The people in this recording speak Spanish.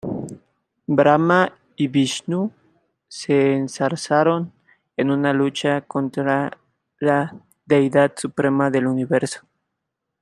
Brahma y Vishnu se enzarzaron en una lucha sobre la deidad suprema del universo.